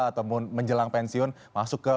ataupun menjelang pensiun masuk ke